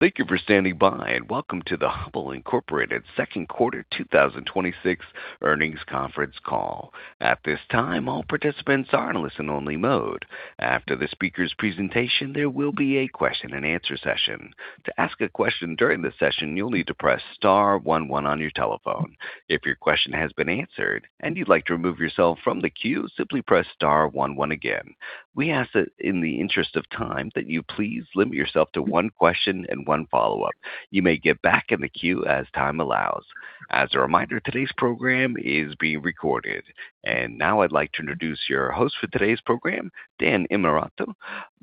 Thank you for standing by, and welcome to the Hubbell Incorporated second quarter 2026 earnings conference call. At this time, all participants are in listen-only mode. After the speakers' presentation, there will be a question-and-answer session. To ask a question during the session, you'll need to press star one one on your telephone. If your question has been answered and you'd like to remove yourself from the queue, simply press star one one again. We ask that, in the interest of time, that you please limit yourself to one question and one follow-up. You may get back in the queue as time allows. As a reminder, today's program is being recorded. I'd like to introduce your host for today's program, Dan Innamorato,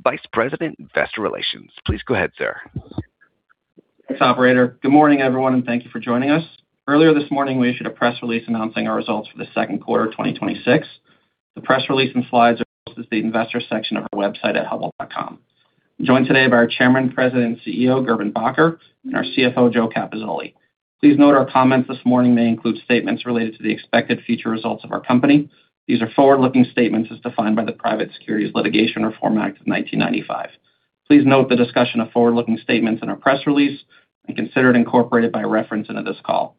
Vice President of Investor Relations. Please go ahead, sir. Thanks, operator. Good morning, everyone, thank you for joining us. Earlier this morning, we issued a press release announcing our results for the second quarter of 2026. The press release and slides are posted at the investor section of our website at hubbell.com. I'm joined today by our Chairman, President, and CEO, Gerben Bakker, and our CFO, Joe Capozzoli. Please note our comments this morning may include statements related to the expected future results of our company. These are forward-looking statements as defined by the Private Securities Litigation Reform Act of 1995. Please note the discussion of forward-looking statements in our press release, consider it incorporated by reference into this call.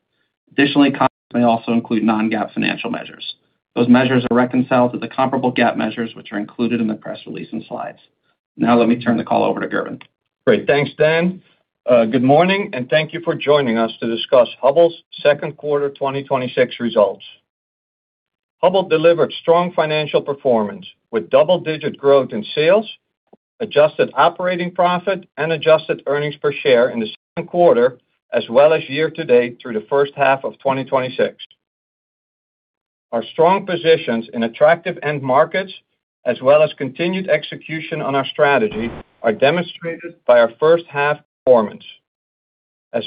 Additionally, comments may also include non-GAAP financial measures. Those measures are reconciled to the comparable GAAP measures, which are included in the press release and slides. Let me turn the call over to Gerben. Great. Thanks, Dan. Good morning, thank you for joining us to discuss Hubbell's second quarter 2026 results. Hubbell delivered strong financial performance with double-digit growth in sales, adjusted operating profit, and adjusted earnings per share in the second quarter, as well as year to date through the first half of 2026. Our strong positions in attractive end markets, as well as continued execution on our strategy, are demonstrated by our first half performance.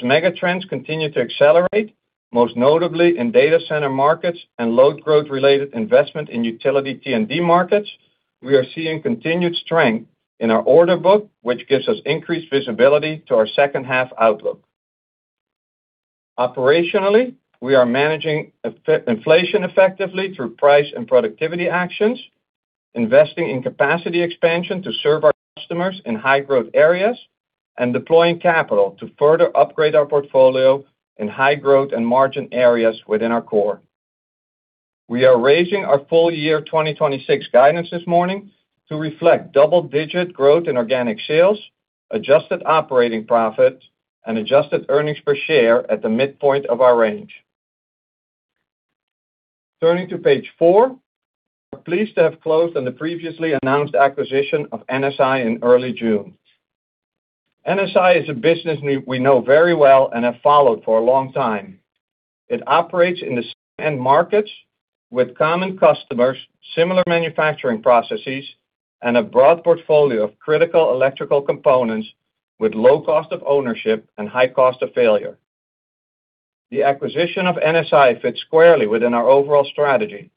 Mega trends continue to accelerate, most notably in data center markets and load growth-related investment in utility T&D markets, we are seeing continued strength in our order book, which gives us increased visibility to our second half outlook. Operationally, we are managing inflation effectively through price and productivity actions, investing in capacity expansion to serve our customers in high growth areas, deploying capital to further upgrade our portfolio in high growth and margin areas within our core. We are raising our full year 2026 guidance this morning to reflect double-digit growth in organic sales, adjusted operating profit, and adjusted earnings per share at the midpoint of our range. Turning to page four. We are pleased to have closed on the previously announced acquisition of NSI in early June. NSI is a business we know very well and have followed for a long time. It operates in the same end markets with common customers, similar manufacturing processes, and a broad portfolio of critical electrical components with low cost of ownership and high cost of failure. The acquisition of NSI fits squarely within our overall strategy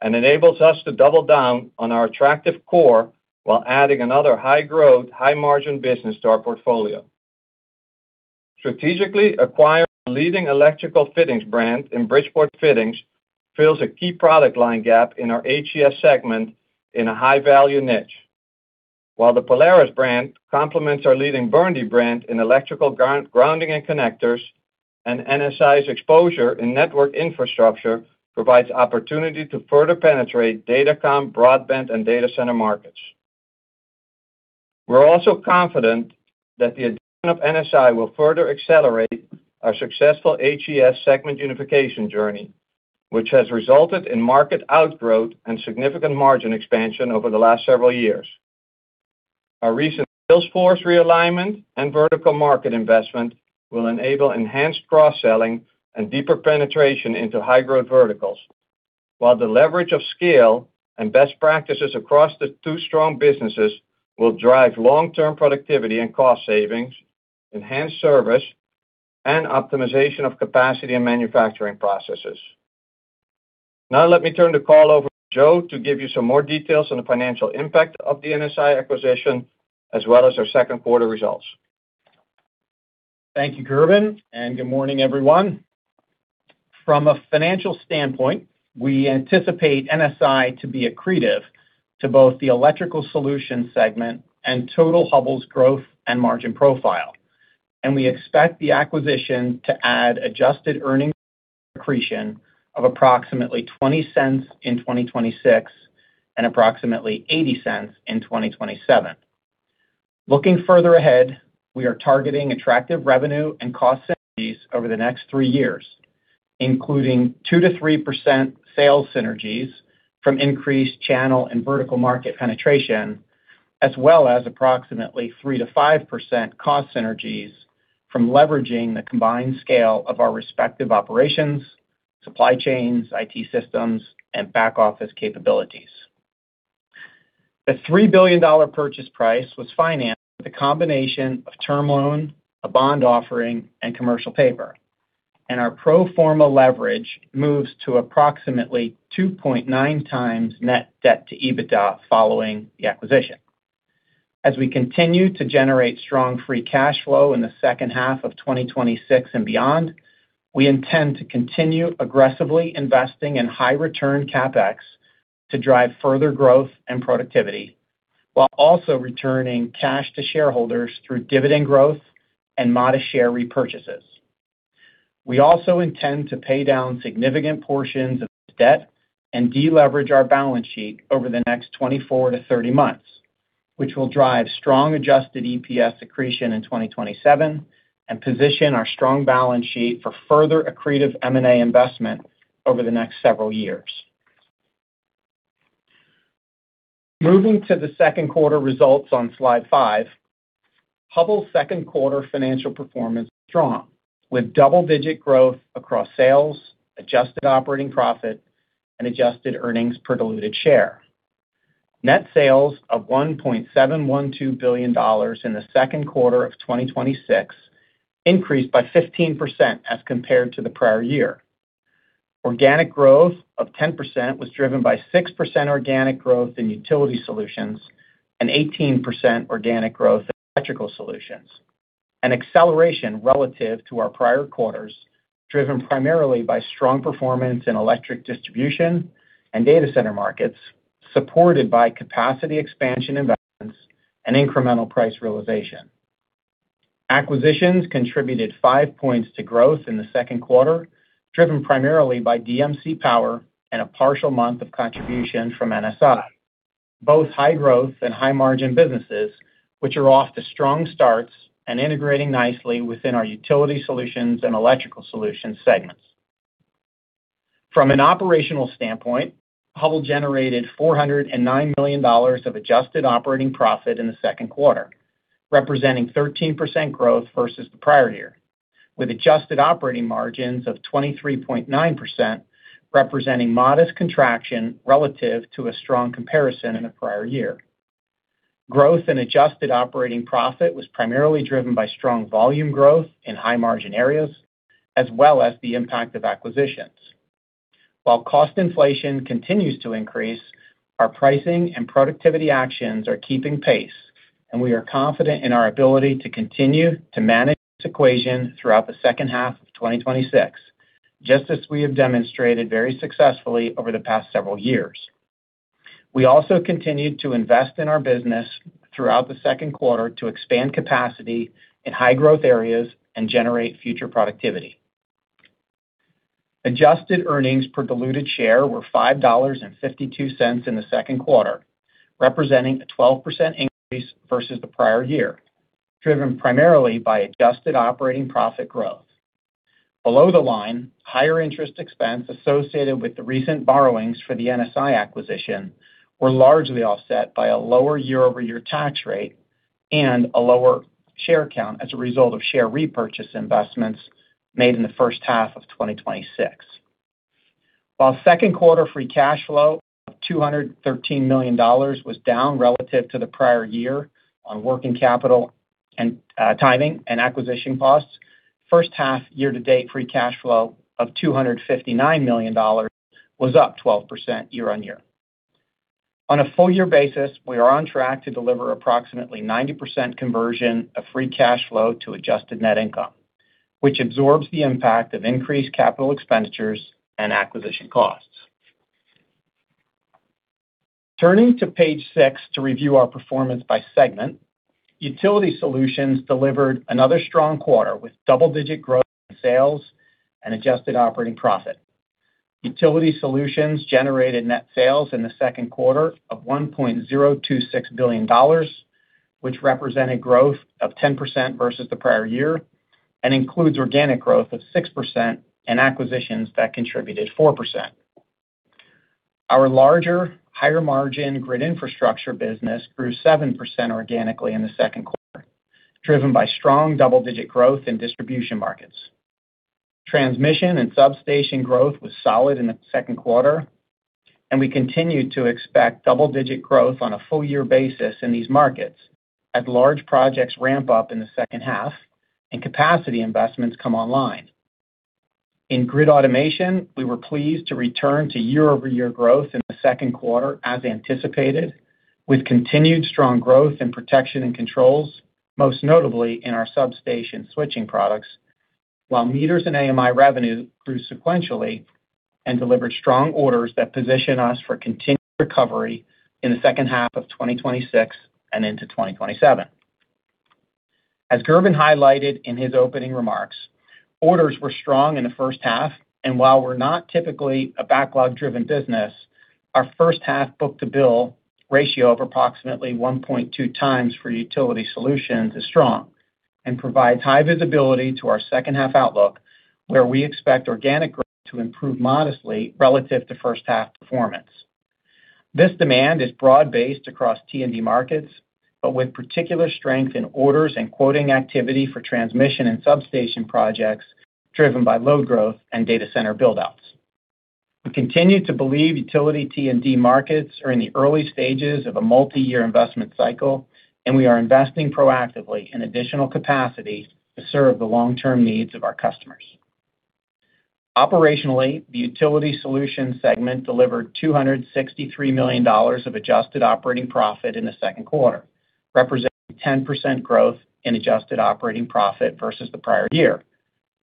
and enables us to double down on our attractive core while adding another high growth, high margin business to our portfolio. Strategically acquiring a leading electrical fittings brand in Bridgeport Fittings fills a key product line gap in our Electrical Solutions segment in a high-value niche. While the Polaris brand complements our leading Burndy brand in electrical grounding and connectors, NSI's exposure in network infrastructure provides opportunity to further penetrate datacom, broadband, and data center markets. We are also confident that the addition of NSI will further accelerate our successful HES segment unification journey, which has resulted in market outgrowth and significant margin expansion over the last several years. Our recent sales force realignment and vertical market investment will enable enhanced cross-selling and deeper penetration into high-growth verticals. While the leverage of scale and best practices across the two strong businesses will drive long-term productivity and cost savings, enhance service, and optimization of capacity and manufacturing processes. Now let me turn the call over to Joe to give you some more details on the financial impact of the NSI acquisition, as well as our second quarter results. Thank you, Gerben, and good morning, everyone. From a financial standpoint, we anticipate NSI to be accretive to both the Electrical Solutions segment and total Hubbell's growth and margin profile. We expect the acquisition to add adjusted earnings accretion of approximately $0.20 in 2026 and approximately $0.80 in 2027. Looking further ahead, we are targeting attractive revenue and cost synergies over the next three years, including 2%-3% sales synergies from increased channel and vertical market penetration, as well as approximately 3%-5% cost synergies from leveraging the combined scale of our respective operations, supply chains, IT systems, and back-office capabilities. The $3 billion purchase price was financed with a combination of term loan, a bond offering, and commercial paper. Our pro forma leverage moves to approximately 2.9x net debt to EBITDA following the acquisition. As we continue to generate strong free cash flow in the second half of 2026 and beyond, we intend to continue aggressively investing in high return CapEx to drive further growth and productivity while also returning cash to shareholders through dividend growth and modest share repurchases. We also intend to pay down significant portions of debt and deleverage our balance sheet over the next 24-30 months, which will drive strong adjusted EPS accretion in 2027 and position our strong balance sheet for further accretive M&A investment over the next several years. Moving to the second quarter results on slide five. Hubbell's second quarter financial performance was strong, with double-digit growth across sales, adjusted operating profit and adjusted earnings per diluted share. Net sales of $1.712 billion in the second quarter of 2026 increased by 15% as compared to the prior year. Organic growth of 10% was driven by 6% organic growth in Utility Solutions and 18% organic growth in Electrical Solutions, an acceleration relative to our prior quarters, driven primarily by strong performance in electric distribution and data center markets, supported by capacity expansion investments and incremental price realization. Acquisitions contributed 5 points to growth in the second quarter, driven primarily by DMC Power and a partial month of contribution from NSI. Both high growth and high margin businesses, which are off to strong starts and integrating nicely within our Utility Solutions and Electrical Solutions segments. From an operational standpoint, Hubbell generated $409 million of adjusted operating profit in the second quarter, representing 13% growth versus the prior year, with adjusted operating margins of 23.9%, representing modest contraction relative to a strong comparison in the prior year. Growth in adjusted operating profit was primarily driven by strong volume growth in high margin areas, as well as the impact of acquisitions. While cost inflation continues to increase, our pricing and productivity actions are keeping pace, and we are confident in our ability to continue to manage this equation throughout the second half of 2026, just as we have demonstrated very successfully over the past several years. We also continued to invest in our business throughout the second quarter to expand capacity in high growth areas and generate future productivity. Adjusted earnings per diluted share were $5.52 in the second quarter, representing a 12% increase versus the prior year, driven primarily by adjusted operating profit growth. Below the line, higher interest expense associated with the recent borrowings for the NSI acquisition were largely offset by a lower year-over-year tax rate and a lower share count as a result of share repurchase investments made in the first half of 2026. While second quarter free cash flow of $213 million was down relative to the prior year on working capital and timing and acquisition costs, first half year-to-date free cash flow of $259 million was up 12% year-on-year. On a full year basis, we are on track to deliver approximately 90% conversion of free cash flow to adjusted net income, which absorbs the impact of increased capital expenditures and acquisition costs. Turning to page six to review our performance by segment. Utility Solutions delivered another strong quarter with double-digit growth in sales and adjusted operating profit. Utility Solutions generated net sales in the second quarter of $1.026 billion, which represented growth of 10% versus the prior year and includes organic growth of 6% and acquisitions that contributed 4%. Our larger, higher margin grid infrastructure business grew 7% organically in the second quarter, driven by strong double-digit growth in distribution markets. Transmission and substation growth was solid in the second quarter, and we continued to expect double-digit growth on a full year basis in these markets as large projects ramp up in the second half and capacity investments come online. In grid automation, we were pleased to return to year-over-year growth in the second quarter, as anticipated, with continued strong growth in protection and controls, most notably in our substation switching products, while meters and AMI revenue grew sequentially and delivered strong orders that position us for continued recovery in the second half of 2026 and into 2027. As Gerben highlighted in his opening remarks, orders were strong in the first half, and while we're not typically a backlog-driven business, our first half book-to-bill ratio of approximately 1.2x for Utility Solutions is strong and provides high visibility to our second half outlook, where we expect organic growth to improve modestly relative to first half performance. This demand is broad-based across T&D markets, but with particular strength in orders and quoting activity for transmission and substation projects driven by load growth and data center build-outs. We continue to believe utility T&D markets are in the early stages of a multi-year investment cycle. We are investing proactively in additional capacity to serve the long-term needs of our customers. Operationally, the Utility Solutions segment delivered $263 million of adjusted operating profit in the second quarter, representing 10% growth in adjusted operating profit versus the prior year,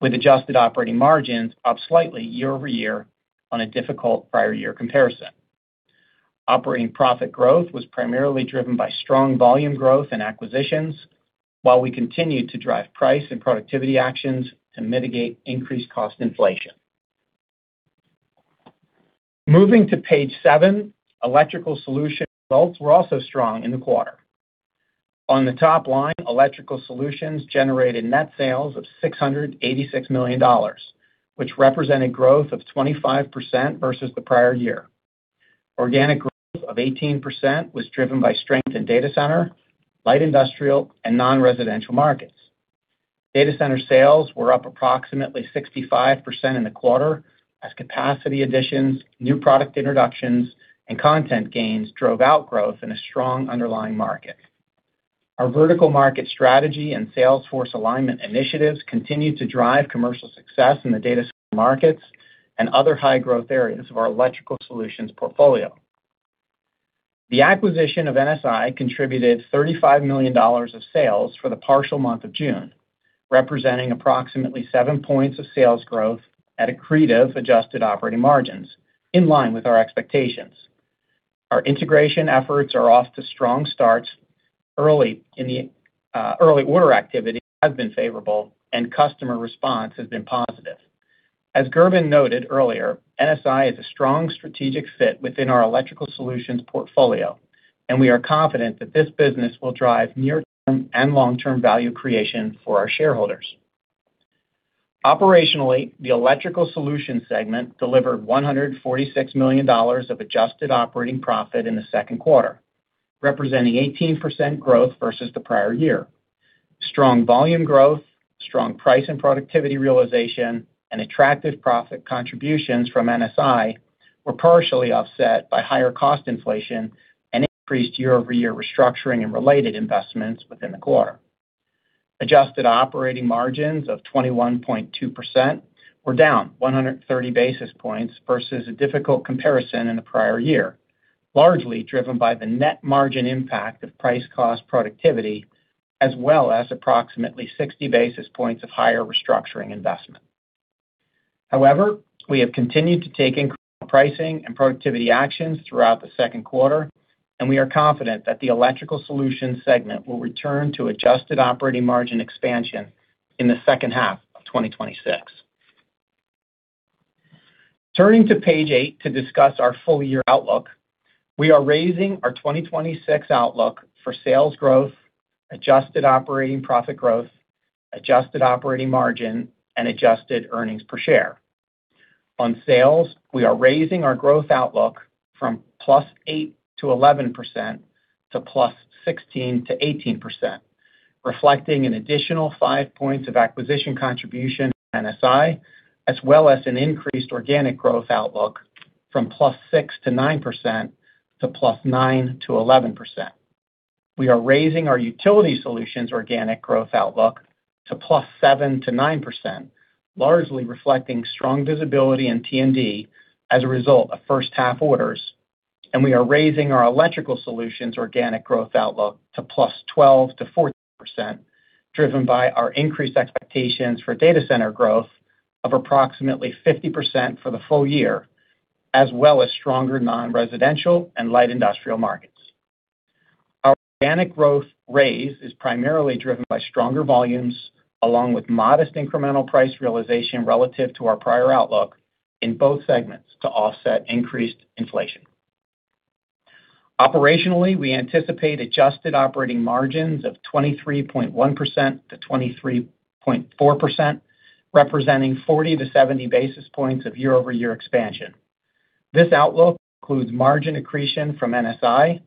with adjusted operating margins up slightly year-over-year on a difficult prior year comparison. Operating profit growth was primarily driven by strong volume growth and acquisitions, while we continued to drive price and productivity actions to mitigate increased cost inflation. Moving to page seven, Electrical Solutions results were also strong in the quarter. On the top line, Electrical Solutions generated net sales of $686 million, which represented growth of 25% versus the prior year. Organic growth of 18% was driven by strength in data center, light industrial, and non-residential markets. Data center sales were up approximately 65% in the quarter as capacity additions, new product introductions, and content gains drove out growth in a strong underlying market. Our vertical market strategy and sales force alignment initiatives continued to drive commercial success in the data center markets and other high-growth areas of our Electrical Solutions portfolio. The acquisition of NSI contributed $35 million of sales for the partial month of June, representing approximately 7 points of sales growth at accretive adjusted operating margins, in line with our expectations. Our integration efforts are off to strong starts. Early order activity has been favorable. Customer response has been positive. As Gerben noted earlier, NSI is a strong strategic fit within our Electrical Solutions portfolio, and we are confident that this business will drive near-term and long-term value creation for our shareholders. Operationally, the Electrical Solutions segment delivered $146 million of adjusted operating profit in the second quarter, representing 18% growth versus the prior year. Strong volume growth, strong price and productivity realization. Attractive profit contributions from NSI were partially offset by higher cost inflation and increased year-over-year restructuring and related investments within the quarter. Adjusted operating margins of 21.2% were down 130 basis points versus a difficult comparison in the prior year, largely driven by the net margin impact of price-cost productivity, as well as approximately 60 basis points of higher restructuring investment. However, we have continued to take incremental pricing and productivity actions throughout the second quarter, and we are confident that the Electrical Solutions segment will return to adjusted operating margin expansion in the second half of 2026. Turning to page eight to discuss our full-year outlook. We are raising our 2026 outlook for sales growth, adjusted operating profit growth, adjusted operating margin, and adjusted earnings per share. On sales, we are raising our growth outlook from +8%-11% to +16%-18%, reflecting an additional five points of acquisition contribution from NSI, as well as an increased organic growth outlook from +6%-9% to +9%-11%. We are raising our Utility Solutions organic growth outlook to +7%-9%, largely reflecting strong visibility in T&D as a result of first-half orders. We are raising our Electrical Solutions organic growth outlook to +12%-14%, driven by our increased expectations for data center growth of approximately 50% for the full year, as well as stronger non-residential and light industrial markets. Our organic growth raise is primarily driven by stronger volumes along with modest incremental price realization relative to our prior outlook in both segments to offset increased inflation. Operationally, we anticipate adjusted operating margins of 23.1%-23.4%, representing 40-70 basis points of year-over-year expansion. This outlook includes margin accretion from NSI,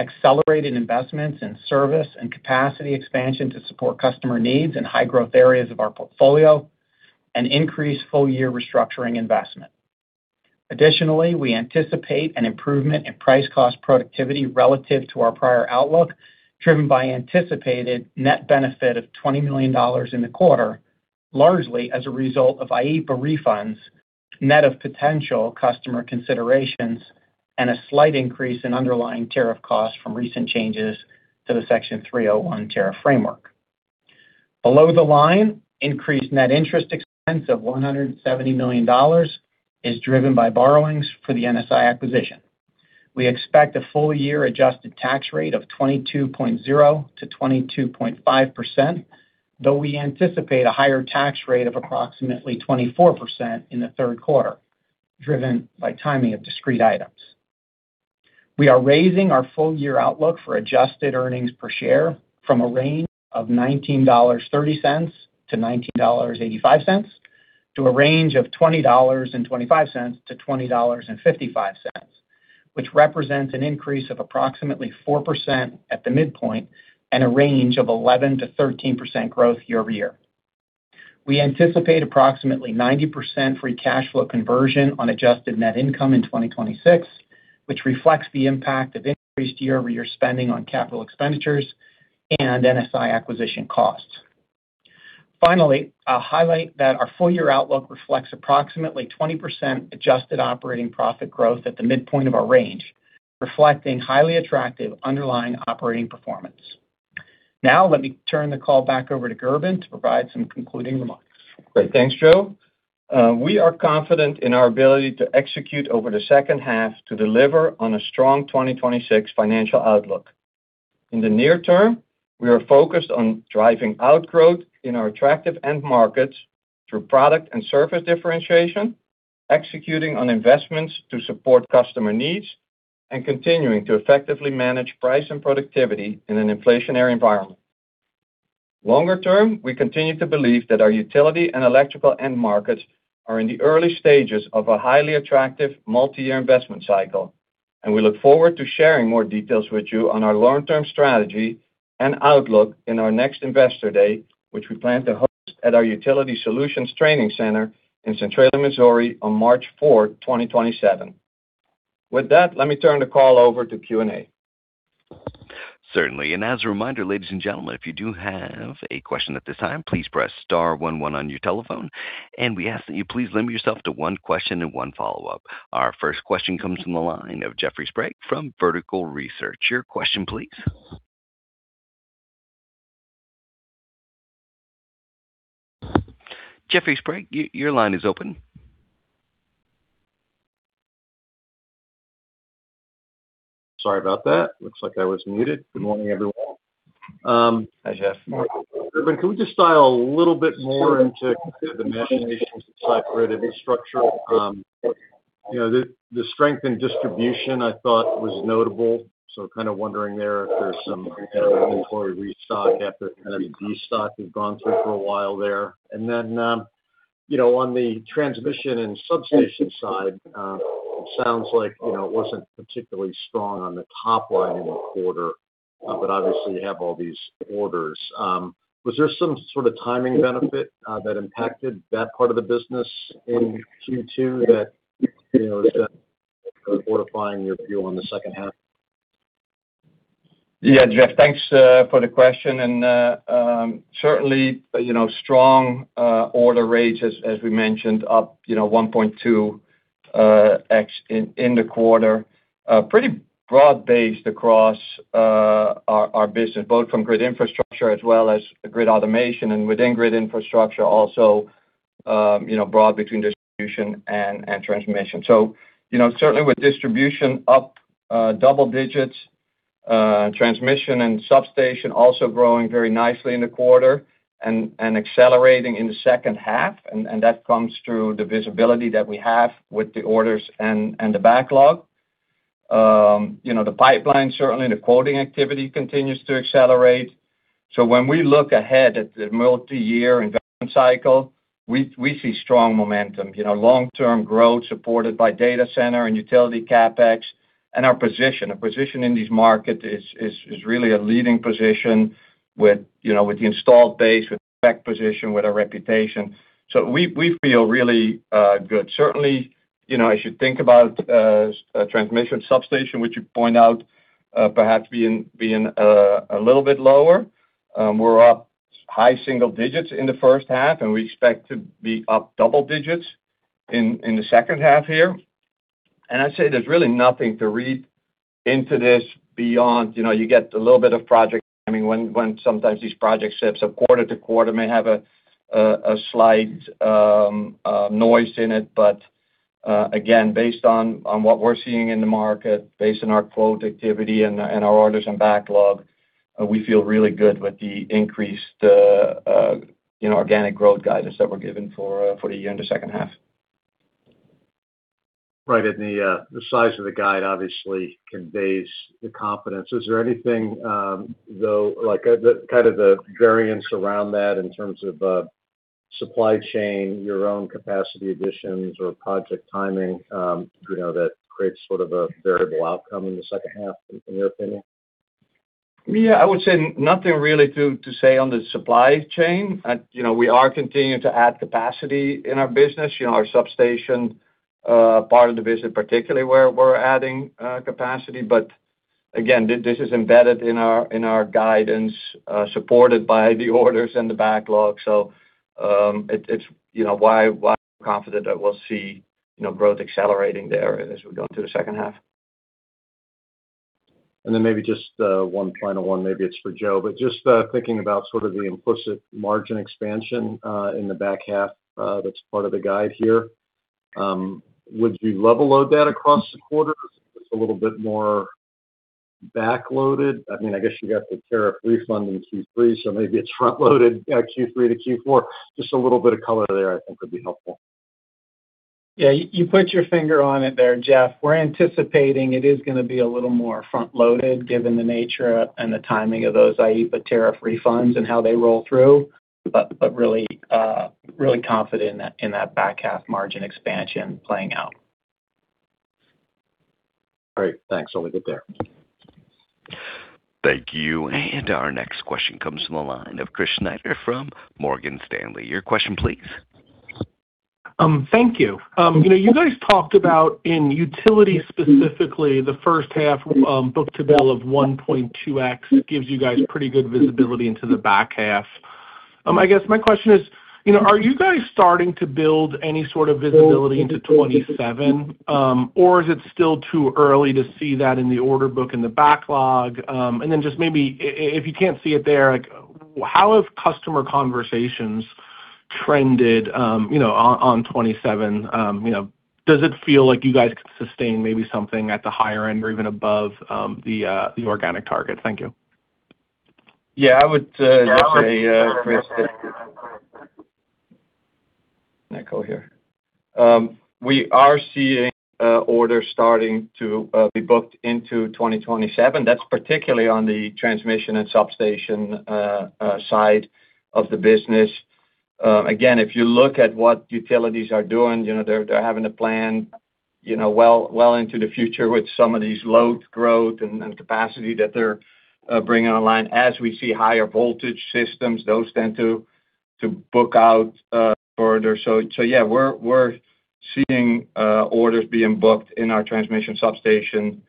accelerated investments in service and capacity expansion to support customer needs in high-growth areas of our portfolio, and increased full-year restructuring investment. We anticipate an improvement in price-cost productivity relative to our prior outlook, driven by anticipated net benefit of $20 million in the quarter, largely as a result of IEEPA refunds, net of potential customer considerations and a slight increase in underlying tariff costs from recent changes to the Section 301 tariff framework. Below the line, increased net interest expense of $170 million is driven by borrowings for the NSI acquisition. We expect a full-year adjusted tax rate of 22.0%-22.5%, though we anticipate a higher tax rate of approximately 24% in the third quarter, driven by timing of discrete items. We are raising our full-year outlook for adjusted earnings per share from a range of $19.30-$19.85 to a range of $20.25-$20.55, which represents an increase of approximately 4% at the midpoint and a range of 11%-13% growth year-over-year. We anticipate approximately 90% free cash flow conversion on adjusted net income in 2026, which reflects the impact of increased year-over-year spending on capital expenditures and NSI acquisition costs. I'll highlight that our full-year outlook reflects approximately 20% adjusted operating profit growth at the midpoint of our range, reflecting highly attractive underlying operating performance. Now let me turn the call back over to Gerben to provide some concluding remarks. Great. Thanks, Joe. We are confident in our ability to execute over the second half to deliver on a strong 2026 financial outlook. In the near term, we are focused on driving out growth in our attractive end markets through product and service differentiation, executing on investments to support customer needs, and continuing to effectively manage price and productivity in an inflationary environment. We continue to believe that our utility and electrical end markets are in the early stages of a highly attractive multi-year investment cycle, and we look forward to sharing more details with you on our long-term strategy and outlook in our next Investor Day, which we plan to host at our Utility Solutions Training Center in Centralia, Missouri, on March 4th, 2027. With that, let me turn the call over to Q&A. Certainly. As a reminder, ladies and gentlemen, if you do have a question at this time, please press star one one on your telephone, and we ask that you please limit yourself to one question and one follow-up. Our first question comes from the line of Jeffrey Sprague from Vertical Research. Your question, please. Jeffrey Sprague, your line is open. Sorry about that. Looks like I was muted. Good morning, everyone. Hi, Jeff. Gerben, can we just dial a little bit more into the machinations of cyber grid infrastructure? The strength in distribution, I thought, was notable. Kind of wondering there if there's some kind of inventory restock after kind of a destock you've gone through for a while there. Then, on the transmission and substation side, it sounds like it wasn't particularly strong on the top line in the quarter, but obviously you have all these orders. Was there some sort of timing benefit that impacted that part of the business in Q2 that is sort of modifying your view on the second half? Yeah. Jeff, thanks for the question. Certainly, strong order rates as we mentioned up 1.2x in the quarter. Pretty broad-based across our business, both from grid infrastructure as well as grid automation. Within grid infrastructure also broad between distribution and transmission. Certainly with distribution up double digits, transmission and substation also growing very nicely in the quarter and accelerating in the second half. That comes through the visibility that we have with the orders and the backlog. The pipeline, certainly the quoting activity continues to accelerate. When we look ahead at the multi-year investment cycle, we see strong momentum. Long-term growth supported by data center and utility CapEx. Our position, a position in this market is really a leading position with the installed base, with spec position, with our reputation. We feel really good. Certainly, as you think about transmission substation, which you point out perhaps being a little bit lower. We're up high single digits in the first half, and we expect to be up double digits in the second half here. I'd say there's really nothing to read into this beyond, you get a little bit of project timing when sometimes these projects shift. Quarter to quarter may have a slight noise in it. Again, based on what we're seeing in the market, based on our quote activity and our orders and backlog, we feel really good with the increased organic growth guidance that we're given for the year in the second half. Right. The size of the guide obviously conveys the confidence. Is there anything, though, like kind of the variance around that in terms of supply chain, your own capacity additions or project timing that creates sort of a variable outcome in the second half in your opinion? I would say nothing really to say on the supply chain. We are continuing to add capacity in our business. Our substation part of the business particularly where we're adding capacity. Again, this is embedded in our guidance, supported by the orders and the backlog. It's why we're confident that we'll see growth accelerating there as we go into the second half. Maybe just one final one. Maybe it's for Joe. Just thinking about sort of the implicit margin expansion in the back half that's part of the guide here. Would you level load that across the quarter? It's a little bit more back-loaded. I guess you got the tariff refund in Q3, maybe it's front-loaded Q3 to Q4. Just a little bit of color there I think would be helpful. Yeah. You put your finger on it there, Jeff. We're anticipating it is going to be a little more front-loaded given the nature and the timing of those IEEPA tariff refunds and how they roll through. Really confident in that back half margin expansion playing out. Great. Thanks. Really good there. Thank you. Our next question comes from the line of Chris Snyder from Morgan Stanley. Your question, please. Thank you. You guys talked about in Utility specifically, the first half book-to-bill of 1.2x gives you guys pretty good visibility into the back half. I guess my question is, are you guys starting to build any sort of visibility into 2027? Or is it still too early to see that in the order book in the backlog? Maybe, if you can't see it there, how have customer conversations trended on 2027? Does it feel like you guys can sustain maybe something at the higher end or even above the organic target? Thank you. Yeah, I would say. Can I go here? We are seeing orders starting to be booked into 2027. That's particularly on the transmission and substation side of the business. Again, if you look at what utilities are doing, they're having to plan well into the future with some of these load growth and capacity that they're bringing online. As we see higher voltage systems, those tend to book out further. Yeah, we're seeing orders being booked in our transmission substation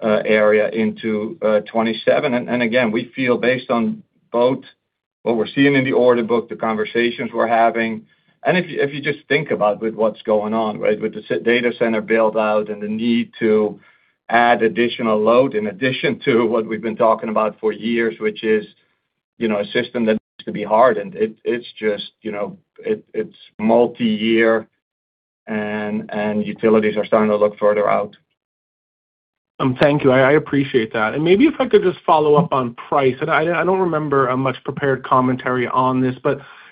area into 2027. Again, we feel based on both what we're seeing in the order book, the conversations we're having, and if you just think about with what's going on, right? With the data center build-out and the need to add additional load in addition to what we've been talking about for years, which is a system that needs to be hardened. It's multi-year. Utilities are starting to look further out. Thank you. I appreciate that. Maybe if I could just follow up on price. I don't remember a much-prepared commentary on this.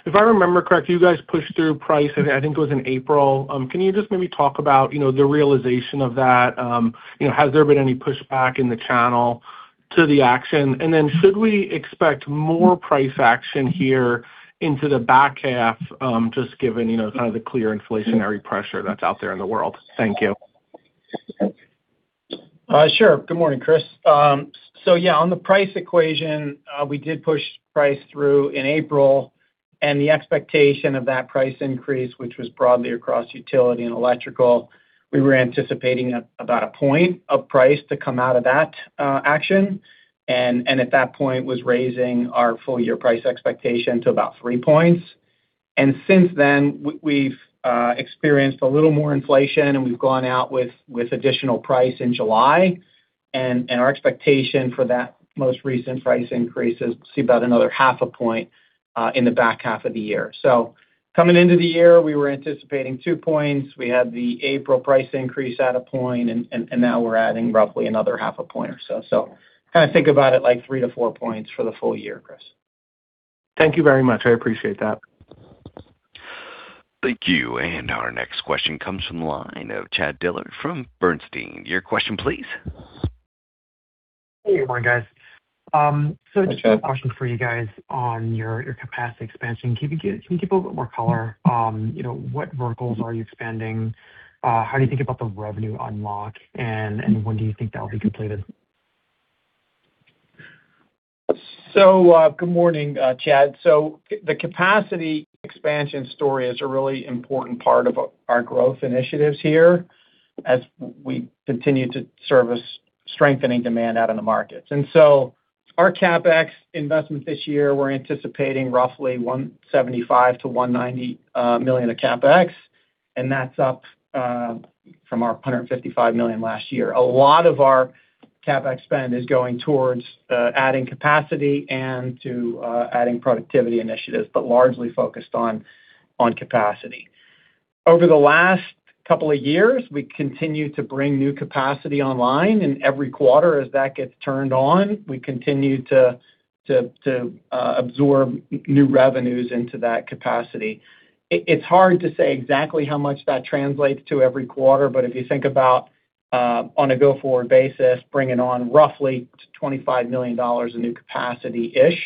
If I remember correctly, you guys pushed through price, I think it was in April. Can you just maybe talk about the realization of that? Has there been any pushback in the channel to the action? Should we expect more price action here into the back half, just given kind of the clear inflationary pressure that's out there in the world? Thank you. Sure. Good morning, Chris. Yeah, on the price equation, we did push price through in April, the expectation of that price increase, which was broadly across utility and electrical, we were anticipating about a point of price to come out of that action. At that point was raising our full-year price expectation to about 3 points. Since then, we've experienced a little more inflation, we've gone out with additional price in July. Our expectation for that most recent price increase is to see about another 0.5 point in the back half of the year. Coming into the year, we were anticipating 2 points. We had the April price increase at a point, now we're adding roughly another 0.5 point or so. Kind of think about it like 3-4 points for the full year, Chris. Thank you very much. I appreciate that. Thank you. Our next question comes from the line of Chad Dillard from Bernstein. Your question please. Hey, good morning, guys. Hey, Chad. Just a question for you guys on your capacity expansion. Can you give a little bit more color, what verticals are you expanding? How do you think about the revenue unlock, and when do you think that will be completed? Good morning, Chad. The capacity expansion story is a really important part of our growth initiatives here as we continue to service strengthening demand out in the markets. Our CapEx investment this year, we're anticipating roughly $175 million-$190 million of CapEx, and that's up from our $155 million last year. A lot of our CapEx spend is going towards adding capacity and to adding productivity initiatives, but largely focused on capacity. Over the last couple of years, we continue to bring new capacity online, and every quarter as that gets turned on, we continue to absorb new revenues into that capacity. It's hard to say exactly how much that translates to every quarter, but if you think about on a go-forward basis, bringing on roughly $25 million of new capacity-ish.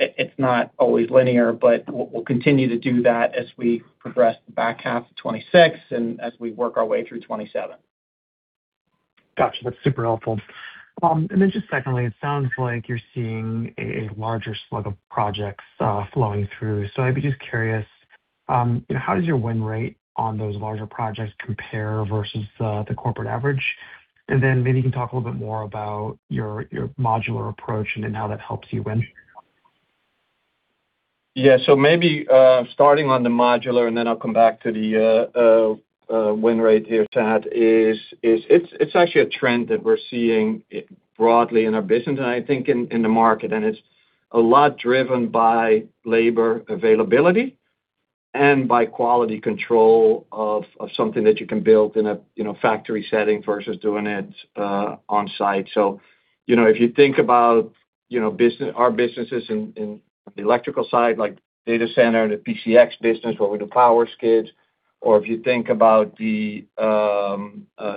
It's not always linear, but we'll continue to do that as we progress the back half of 2026 and as we work our way through 2027. Got you. That's super helpful. Secondly, it sounds like you're seeing a larger slug of projects flowing through. I'd be just curious, how does your win rate on those larger projects compare versus the corporate average? Maybe you can talk a little bit more about your modular approach and then how that helps you win. Yeah. Maybe starting on the modular, I'll come back to the win rate here, Chad, is. It's actually a trend that we're seeing broadly in our business and I think in the market, and it's a lot driven by labor availability and by quality control of something that you can build in a factory setting versus doing it on-site. If you think about our businesses in the electrical side, like data center and the PCX business where we do power skids, or if you think about the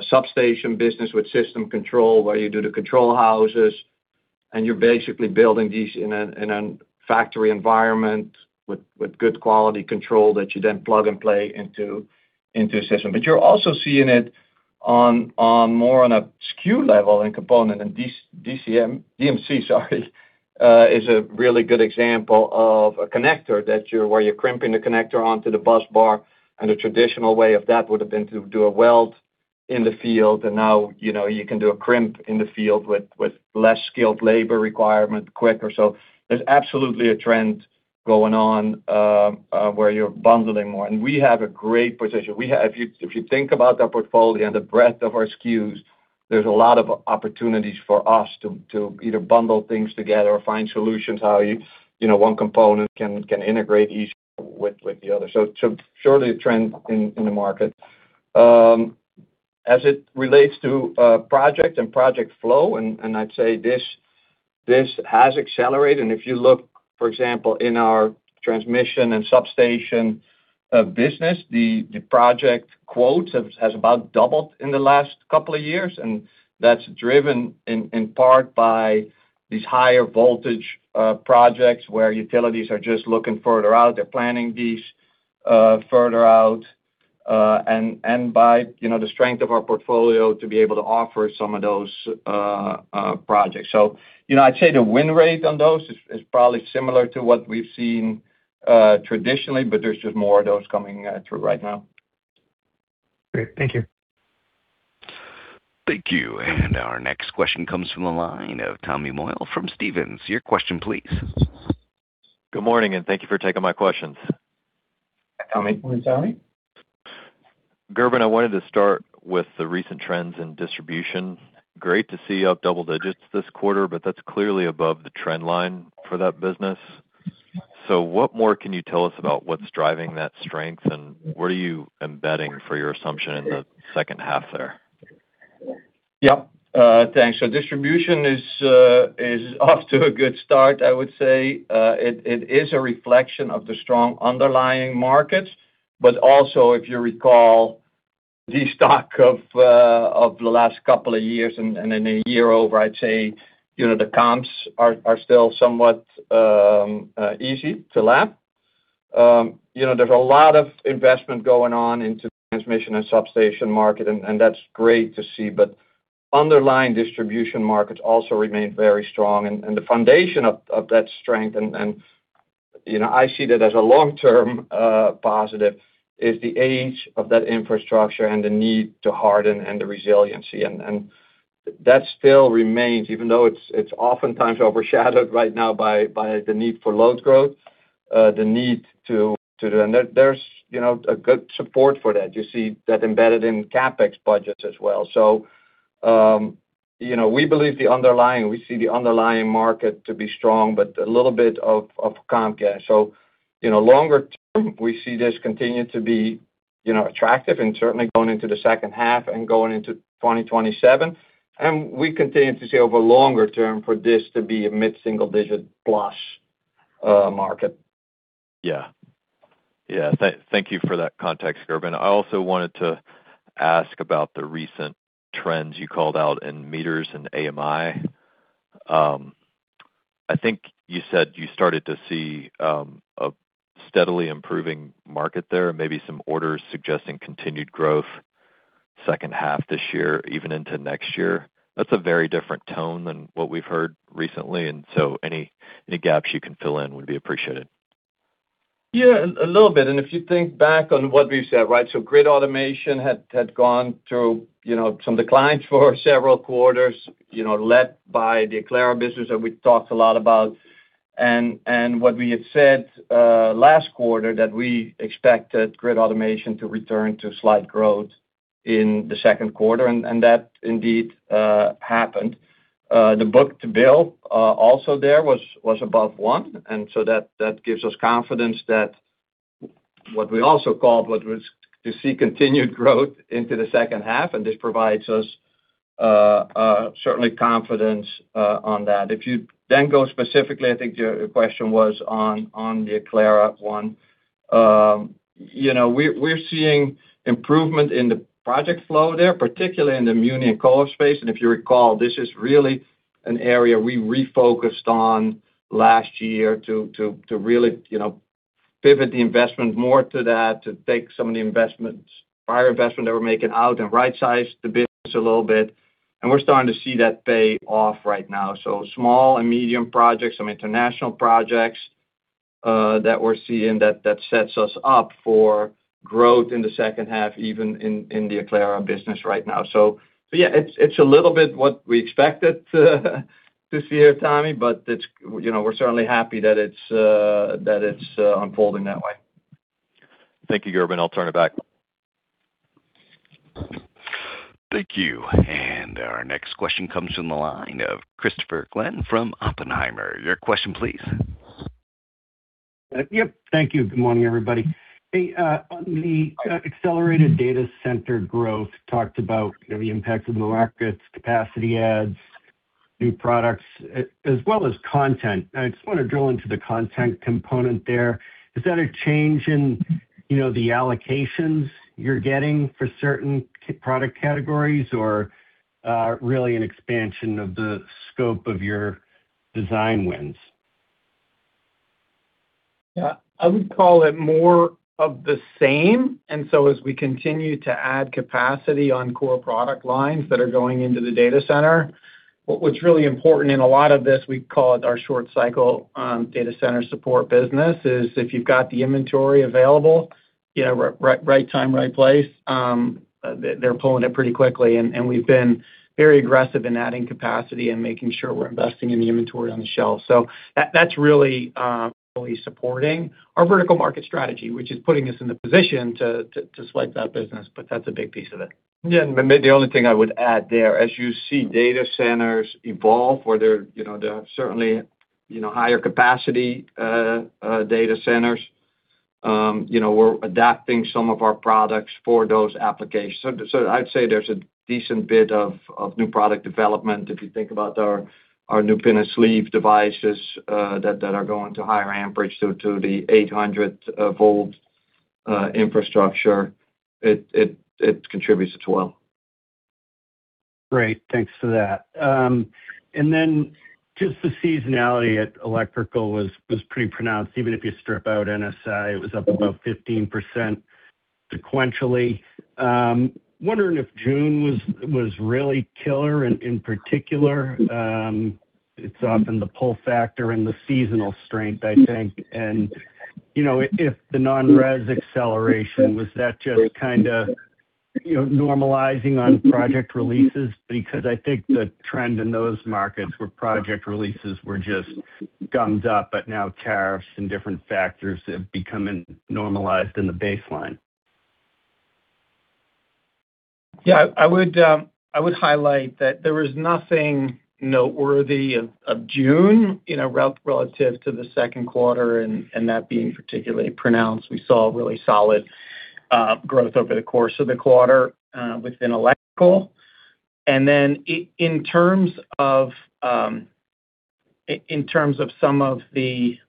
substation business with System Control where you do the control houses and you're basically building these in a factory environment with good quality control that you then plug and play into a system. You're also seeing it more on a SKU level and component, DMC is a really good example of a connector where you're crimping the connector onto the busbar. The traditional way of that would have been to do a weld. In the field, now you can do a crimp in the field with less skilled labor requirement quicker. There's absolutely a trend going on, where you're bundling more. We have a great position. If you think about the portfolio and the breadth of our SKUs, there's a lot of opportunities for us to either bundle things together or find solutions how one component can integrate easily with the other. Surely a trend in the market. As it relates to project and project flow, I'd say this has accelerated. If you look, for example, in our transmission and substation business, the project quotes has about doubled in the last couple of years. That's driven in part by these higher voltage projects where utilities are just looking further out, they're planning these further out, by the strength of our portfolio to be able to offer some of those projects. I'd say the win rate on those is probably similar to what we've seen traditionally, but there's just more of those coming through right now. Great. Thank you. Thank you. Our next question comes from the line of Tommy Moll from Stephens. Your question please. Good morning, thank you for taking my questions. Tommy. Good morning, Tommy. Gerben, I wanted to start with the recent trends in distribution. Great to see up double digits this quarter, but that's clearly above the trend line for that business. What more can you tell us about what's driving that strength, and what are you embedding for your assumption in the second half there? Yeah. Thanks. Distribution is off to a good start, I would say. It is a reflection of the strong underlying markets, but also if you recall the stock of the last couple of years, in a year over, I'd say, the comps are still somewhat easy to lap. There's a lot of investment going on into the transmission and substation market, and that's great to see, but underlying distribution markets also remain very strong. The foundation of that strength, and I see that as a long-term positive, is the age of that infrastructure and the need to harden and the resiliency. That still remains, even though it's oftentimes overshadowed right now by the need for load growth. There's a good support for that. You see that embedded in CapEx budgets as well. We see the underlying market to be strong, but a little bit of comp gain. Longer-term, we see this continue to be attractive and certainly going into the second half and going into 2027, we continue to see over longer term for this to be a mid-single digit plus market. Yeah. Thank you for that context, Gerben. I also wanted to ask about the recent trends you called out in meters and AMI. I think you said you started to see a steadily improving market there, and maybe some orders suggesting continued growth second half this year, even into next year. That's a very different tone than what we've heard recently, any gaps you can fill in would be appreciated. Yeah, a little bit. If you think back on what we've said, right? Grid Automation had gone through some declines for several quarters, led by the Aclara business that we talked a lot about. What we had said last quarter, that we expected Grid Automation to return to slight growth in the second quarter, and that indeed happened. The book-to-bill, also there was above one, that gives us confidence that what we also called to see continued growth into the second half, this provides us certainly confidence on that. Specifically, I think your question was on the Aclara one. We're seeing improvement in the project flow there, particularly in the muni and co-op space. If you recall, this is really an area we refocused on last year to really pivot the investment more to that, to take some of the prior investment that we're making out and right-size the business a little bit. We're starting to see that pay off right now. Small and medium projects, some international projects, that we're seeing that sets us up for growth in the second half, even in the Aclara business right now. Yeah, it's a little bit what we expected to see here, Tommy, but we're certainly happy that it's unfolding that way. Thank you, Gerben. I'll turn it back. Thank you. Our next question comes from the line of Christopher Glynn from Oppenheimer. Your question please. Yep. Thank you. Good morning, everybody. Hey, on the accelerated data center growth, talked about the impacts of the markets, capacity adds, new products, as well as content. I just want to drill into the content component there. Is that a change in the allocations you're getting for certain product categories, or really an expansion of the scope of your design wins? Yeah. I would call it more of the same. As we continue to add capacity on core product lines that are going into the data center. What's really important in a lot of this, we call it our short cycle data center support business, is if you've got the inventory available, right time, right place, they're pulling it pretty quickly. We've been very aggressive in adding capacity and making sure we're investing in the inventory on the shelf. That's really supporting our vertical market strategy, which is putting us in the position to select that business, but that's a big piece of it. Yeah, maybe the only thing I would add there, as you see data centers evolve where there are certainly higher capacity data centers. We're adapting some of our products for those applications. I'd say there's a decent bit of new product development. If you think about our new Pin & Sleeve devices that are going to higher amperage to the 800 volt infrastructure. It contributes as well. Great. Thanks for that. The seasonality at Electrical Solutions was pretty pronounced. Even if you strip out NSI, it was up about 15% sequentially. I'm wondering if June was really killer in particular. It's often the pull factor and the seasonal strength, I think. If the non-res acceleration, was that just kind of normalizing on project releases? Because I think the trend in those markets where project releases were just gummed up, but now tariffs and different factors have become normalized in the baseline. I would highlight that there was nothing noteworthy of June relative to the second quarter and that being particularly pronounced. We saw really solid growth over the course of the quarter within Electrical. In terms of some of the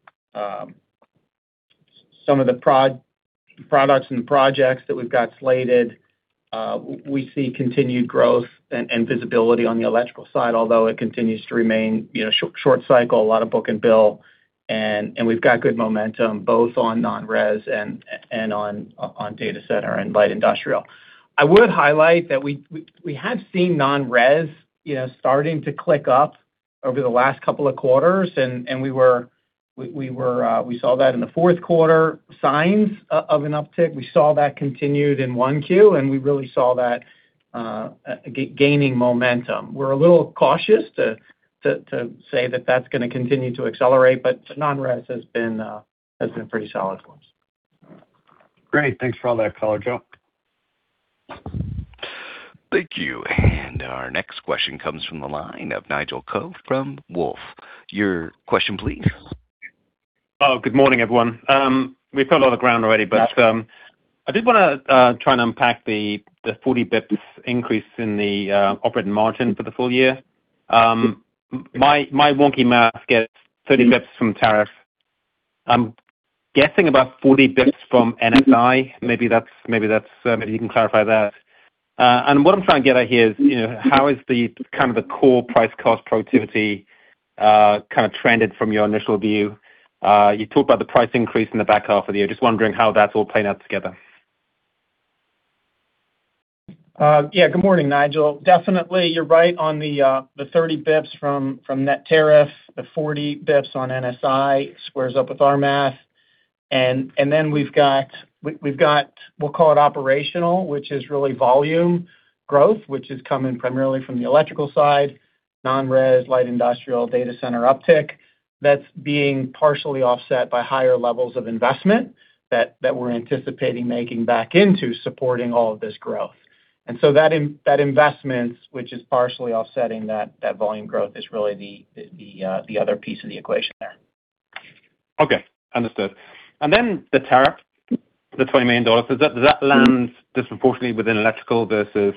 products and projects that we've got slated, we see continued growth and visibility on the Electrical side, although it continues to remain short cycle, a lot of book-to-bill, and we've got good momentum both on non-res and on data center and light industrial. I would highlight that we have seen non-res starting to click up over the last couple of quarters, and we saw that in the fourth quarter, signs of an uptick. We saw that continued in 1Q, we really saw that gaining momentum. We're a little cautious to say that that's going to continue to accelerate, non-res has been pretty solid for us. Great. Thanks for all that color, Joe. Thank you. Our next question comes from the line of Nigel Coe from Wolfe. Your question, please. Good morning, everyone. We've covered a lot of ground already, but I did want to try and unpack the 40 basis points increase in the operating margin for the full year. My wonky math gets 30 basis points from tariff. I'm guessing about 40 basis points from NSI. Maybe you can clarify that. What I'm trying to get at here is, how is the core price cost productivity trended from your initial view? You talked about the price increase in the back half of the year. Just wondering how that's all playing out together. Good morning, Nigel. Definitely, you're right on the 30 basis points from net tariff. The 40 basis points on NSI squares up with our math. We've got, we'll call it operational, which is really volume growth, which is coming primarily from the electrical side, non-res, light industrial, data center uptick. That's being partially offset by higher levels of investment that we're anticipating making back into supporting all of this growth. That investment, which is partially offsetting that volume growth, is really the other piece of the equation there. Okay. Understood. The tariff, the $20 million. Does that land disproportionately within Electrical versus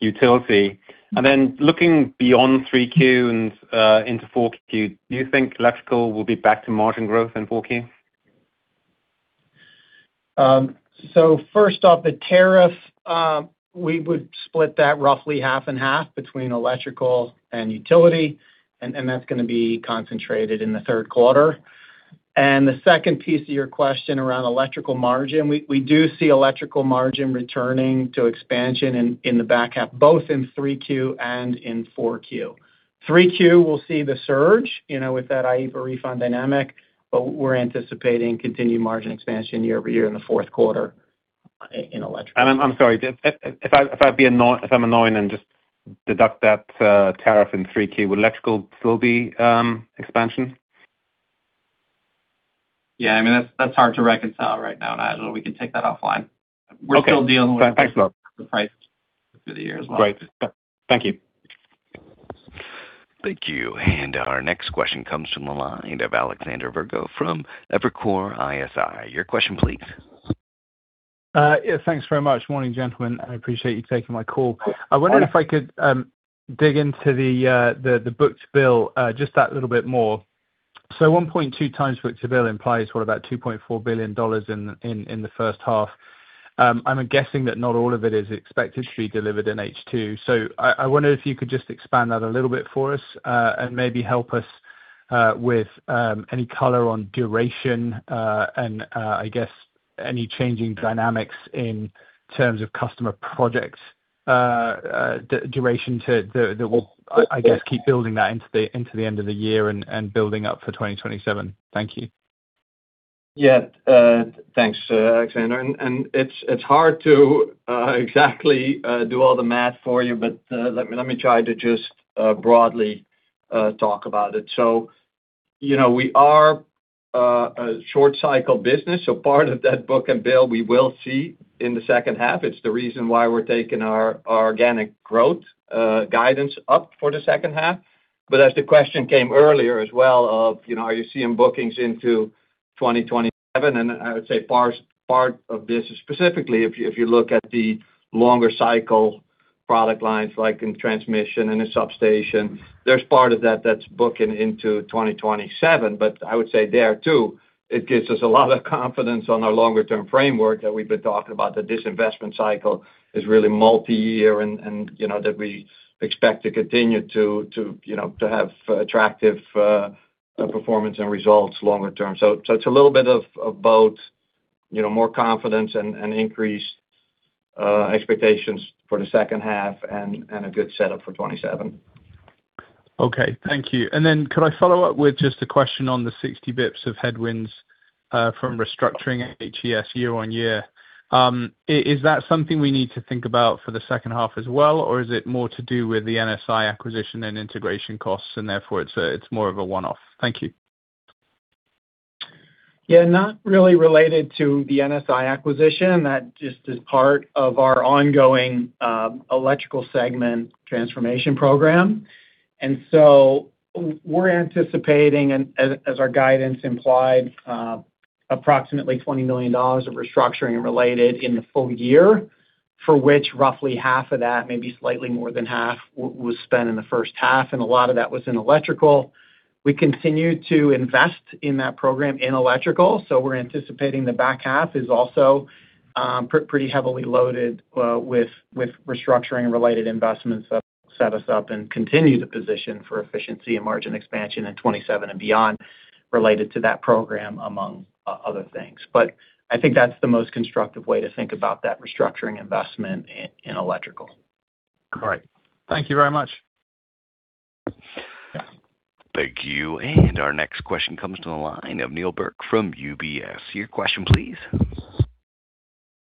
Utility? Looking beyond 3Q into 4Q, do you think Electrical will be back to margin growth in 4Q? First off, the tariff, we would split that roughly half and half between Electrical and Utility, that's going to be concentrated in the third quarter. The second piece of your question around Electrical margin, we do see Electrical margin returning to expansion in the back half, both in 3Q and in 4Q. 3Q will see the surge, with that IEEPA refund dynamic, but we're anticipating continued margin expansion year-over-year in the fourth quarter in Electrical. I'm sorry. If I'm annoying then just deduct that tariff in 3Q. Will Electrical still be expansion? I mean, that's hard to reconcile right now, Nigel. We can take that offline. Okay. We're still dealing with. Thanks a lot. The price through the year as well. Great. Thank you. Thank you. Our next question comes from the line of Alexander Virgo from Evercore ISI. Your question, please. Thanks very much. Morning, gentlemen. I appreciate you taking my call. Morning. I wonder if I could dig into the book-to-bill just that little bit more. 1.2x book-to-bill implies we're about $2.4 billion in the first half. I'm guessing that not all of it is expected to be delivered in H2. I wonder if you could just expand that a little bit for us, and maybe help us with any color on duration, and I guess any changing dynamics in terms of customer projects. Yes. I guess keep building that into the end of the year and building up for 2027. Thank you. Thanks, Alexander. It's hard to exactly do all the math for you, let me try to just broadly talk about it. We are a short-cycle business, so part of that book and bill, we will see in the second half. It's the reason why we're taking our organic growth guidance up for the second half. As the question came earlier as well of, are you seeing bookings into 2027? I would say part of this is specifically, if you look at the longer-cycle product lines, like in transmission and in substation, there's part of that that's booking into 2027. I would say there, too, it gives us a lot of confidence on our longer-term framework that we've been talking about, that this investment cycle is really multi-year and that we expect to continue to have attractive performance and results longer term. It's a little bit of both, more confidence and increased expectations for the second half and a good setup for 2027. Okay. Thank you. Then could I follow up with just a question on the 60 basis points of headwinds from restructuring HES year-on-year? Is that something we need to think about for the second half as well, or is it more to do with the NSI acquisition and integration costs, and therefore, it's more of a one-off? Thank you. Yeah. Not really related to the NSI acquisition. That just is part of our ongoing electrical segment transformation program. So we're anticipating, as our guidance implied, approximately $20 million of restructuring related in the full year, for which roughly half of that, maybe slightly more than half, was spent in the first half, and a lot of that was in electrical. We continue to invest in that program in electrical, so we're anticipating the back half is also pretty heavily loaded with restructuring-related investments that will set us up and continue to position for efficiency and margin expansion in 2027 and beyond related to that program, among other things. I think that's the most constructive way to think about that restructuring investment in electrical. Great. Thank you very much. Yeah. Thank you. Our next question comes to the line of Neal Burk from UBS. Your question, please.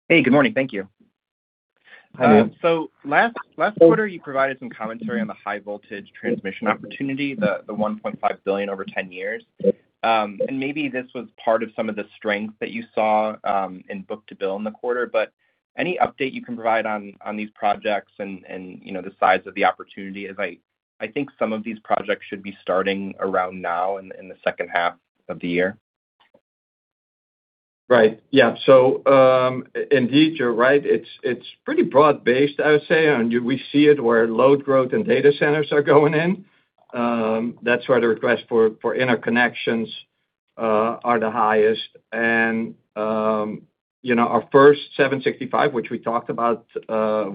Hey, good morning. Thank you. Hi, Neal. Last quarter, you provided some commentary on the high voltage transmission opportunity, the $1.5 billion over 10 years. Maybe this was part of some of the strength that you saw in book-to-bill in the quarter, but any update you can provide on these projects and the size of the opportunity, as I think some of these projects should be starting around now in the second half of the year. Right. Yeah. Indeed, you're right. It's pretty broad-based, I would say. We see it where load growth and data centers are going in. That's where the request for interconnections are the highest. Our first 765 kV, which we talked about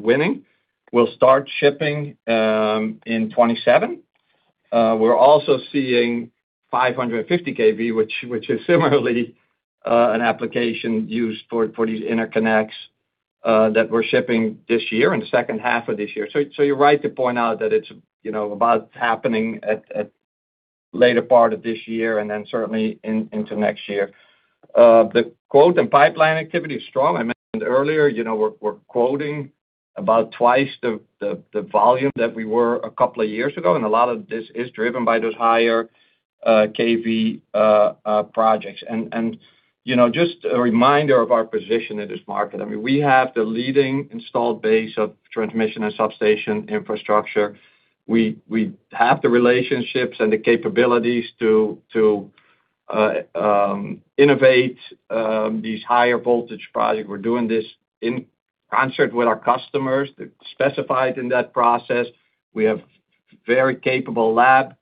winning, will start shipping in 2027. We're also seeing 550 kV, which is similarly an application used for these interconnects, that we're shipping this year, in the second half of this year. You're right to point out that it's about happening at later part of this year, then certainly into next year. The quote and pipeline activity is strong. I mentioned earlier, we're quoting about twice the volume that we were a couple of years ago, and a lot of this is driven by those higher kV projects. Just a reminder of our position in this market, we have the leading installed base of transmission and substation infrastructure. We have the relationships and the capabilities to innovate these higher voltage projects. We're doing this in concert with our customers, specified in that process. We have very capable lab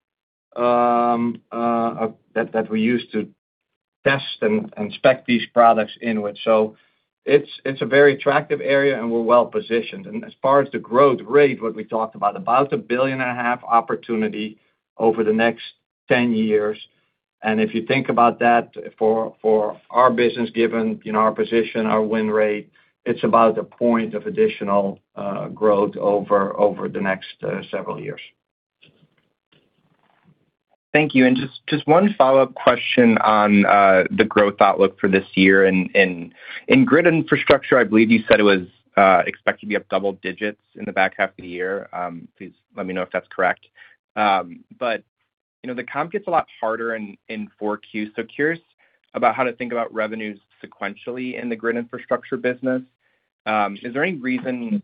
that we use to test and spec these products in with. It's a very attractive area, and we're well positioned. As far as the growth rate, what we talked about 1.5 billion opportunity over the next 10 years. If you think about that for our business, given our position, our win rate, it's about a point of additional growth over the next several years. Thank you. Just one follow-up question on the growth outlook for this year. In grid infrastructure, I believe you said it was expected to be up double digits in the back half of the year. Please let me know if that's correct. The comp gets a lot harder in 4Q, so curious about how to think about revenues sequentially in the grid infrastructure business. Is there any reason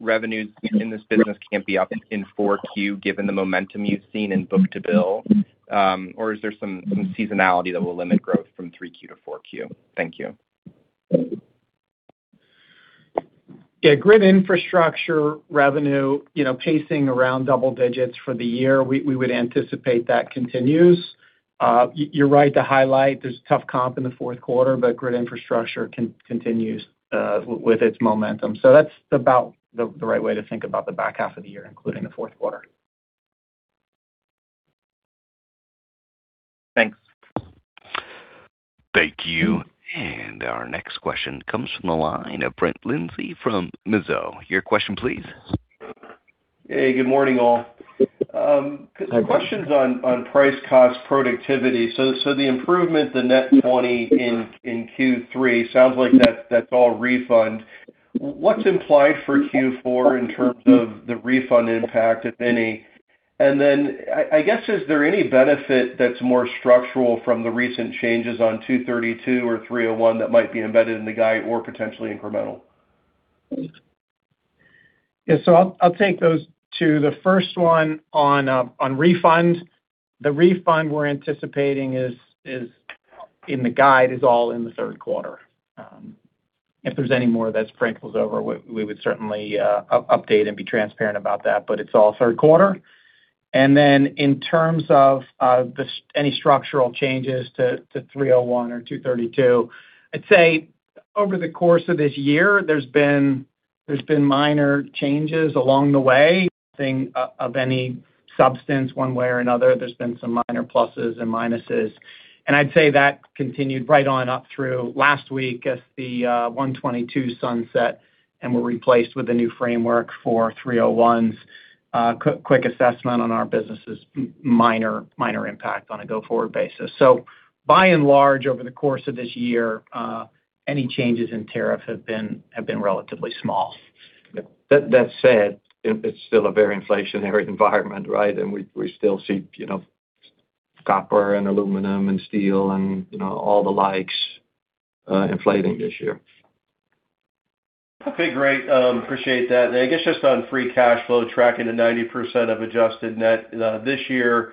revenues in this business can't be up in 4Q, given the momentum you've seen in book-to-bill? Is there some seasonality that will limit growth from 3Q to 4Q? Thank you. Yeah. Grid infrastructure revenue, pacing around double digits for the year, we would anticipate that continues. You're right to highlight there's a tough comp in the fourth quarter, grid infrastructure continues with its momentum. That's about the right way to think about the back half of the year, including the fourth quarter. Thanks. Thank you. Our next question comes from the line of Brett Linzey from Mizuho. Your question, please. Hey, good morning, all. Questions on price cost productivity. The improvement, the net 20 in Q3 sounds like that's all refund. What's implied for Q4 in terms of the refund impact, if any? In terms of any benefit that's more structural from the recent changes on 232 or 301 that might be embedded in the guide or potentially incremental? I'll take those two. The first one on refund. The refund we're anticipating in the guide is all in the third quarter. If there's any more that sprinkles over, we would certainly update and be transparent about that, but it's all third quarter. In terms of any structural changes to 301 or 232, I'd say over the course of this year, there's been minor changes along the way, nothing of any substance one way or another. There's been some minor pluses and minuses, and I'd say that continued right on up through last week as the 122 sunset and were replaced with a new framework for 301's quick assessment on our businesses, minor impact on a go-forward basis. By and large, over the course of this year, any changes in tariff have been relatively small. That said, it's still a very inflationary environment, right? We still see copper and aluminum and steel and all the likes inflating this year. Okay, great. Appreciate that. I guess just on free cash flow tracking to 90% of adjusted net this year,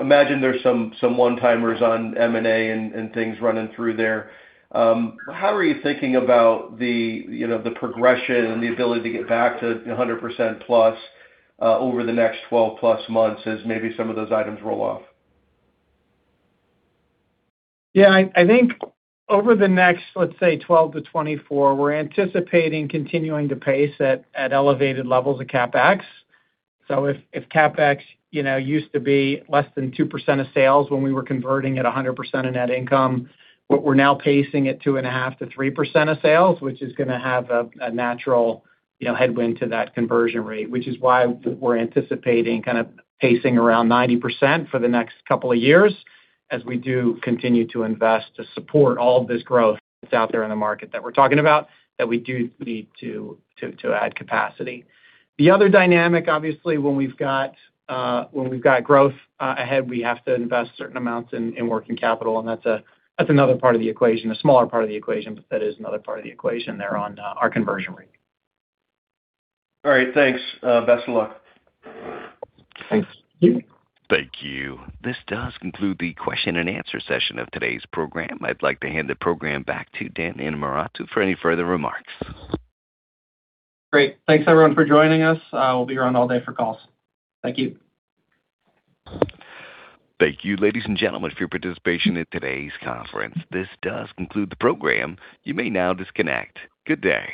imagine there's some one-timers on M&A and things running through there. How are you thinking about the progression and the ability to get back to 100%+ over the next 12+ months as maybe some of those items roll off? Yeah, I think over the next, let's say, 12-24, we're anticipating continuing to pace at elevated levels of CapEx. If CapEx used to be less than 2% of sales when we were converting at 100% of net income, what we're now pacing at 2.5%-3% of sales, which is going to have a natural headwind to that conversion rate, which is why we're anticipating kind of pacing around 90% for the next couple of years as we do continue to invest to support all of this growth that's out there in the market that we're talking about, that we do need to add capacity. The other dynamic, obviously, when we've got growth ahead, we have to invest certain amounts in working capital, that's another part of the equation. A smaller part of the equation, that is another part of the equation there on our conversion rate. All right, thanks. Best of luck. Thanks. Thank you. This does conclude the question-and-answer session of today's program. I'd like to hand the program back to Dan Innamorato for any further remarks. Great. Thanks, everyone for joining us. We'll be around all day for calls. Thank you. Thank you, ladies and gentlemen, for your participation in today's conference. This does conclude the program. You may now disconnect. Good day.